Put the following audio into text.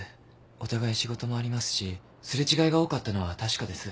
お互い仕事もありますしすれ違いが多かったのは確かです。